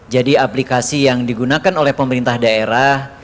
jadi aplikasi yang digunakan oleh pemerintah daerah